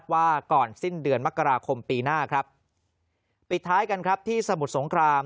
ว่าก่อนสิ้นเดือนมกราคมปีหน้าครับปิดท้ายกันครับที่สมุทรสงคราม